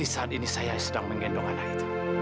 saat ini saya sedang menggendong anak itu